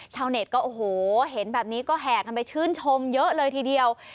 ชาวเน็ตก็โอ้โหเห็นแบบนี้ก็แห่กันไปชื่นชมเยอะเลยทีเดียว